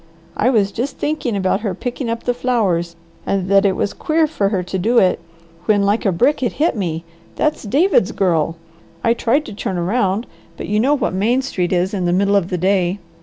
I was just thinking about her picking up the flowers, and that it was queer for her to do it, when like a brick it hit me, THAT'S DAVID'S GIRL! I tried to turn around, but you know what Main Street is in the middle of the day.